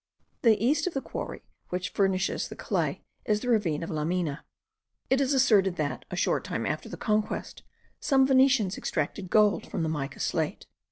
To the east of the quarry which furnishes the clay is the ravine of La Mina. It is asserted that, a short time after the conquest, some Venetians extracted gold from the mica slate.